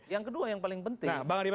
yang kedua yang paling penting